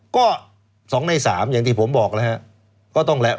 ก็๒ใน๓อย่างที่ผมบอกแล้ว